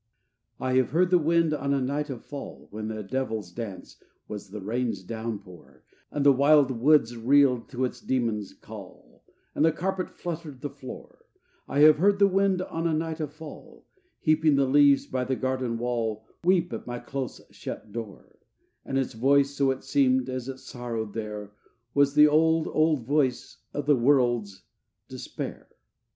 III I have heard the wind on a night of fall, When a devil's dance was the rain's downpour, And the wild woods reeled to its demon call, And the carpet fluttered the floor: I have heard the wind on a night of fall, Heaping the leaves by the garden wall, Weep at my close shut door: And its voice, so it seemed, as it sorrowed there, Was the old, old voice of the world's despair.